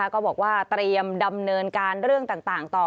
ก็บอกว่าเตรียมดำเนินการเรื่องต่างต่อ